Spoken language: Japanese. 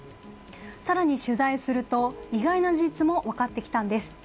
更に取材すると意外な事実も分かってきたんです。